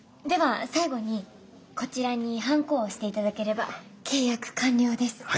では最後にこちらに判子を押していただければ契約完了です。